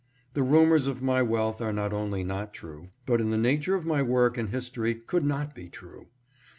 The rumors of my wealth are not only not true, but in the nature of my work and history could not be true.